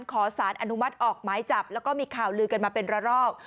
ขอสารอนุมัติออกหมายจับแล้วก็มีข่าวลือกันมาเป็นระลอก